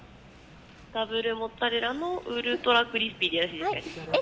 ダブルモッツァレラのウルトラクリスピーですね。